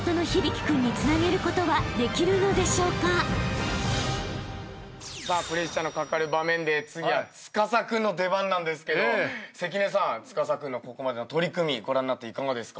［果たして大将］さあプレッシャーのかかる場面で次は司君の出番なんですけど関根さん司君のここまでの取組ご覧になっていかがですか？